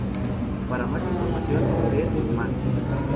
Para más información, ver: Manu.